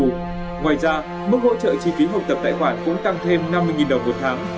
ngoài ra mức hỗ trợ chi phí học tập tài khoản cũng tăng thêm năm mươi đồng một tháng